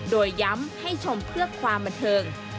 โดยย้ำให้ชมเพื่อความบันเทิง